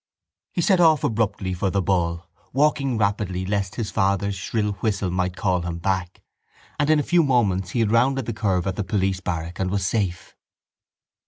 He set off abruptly for the Bull, walking rapidly lest his father's shrill whistle might call him back; and in a few moments he had rounded the curve at the police barrack and was safe.